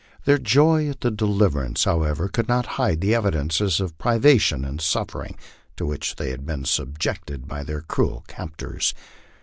Their joy at their deliverance, however, could not hide the evidences of privation and suffering to which they had been subjected by their cruel cap tors.